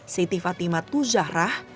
siti fatimah tuzahrah